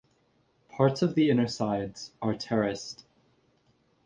Parts of the inner sides are terraced.